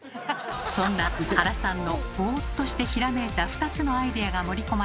そんな原さんのボーっとしてひらめいた２つのアイデアが盛り込まれた